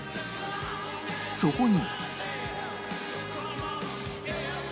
そこに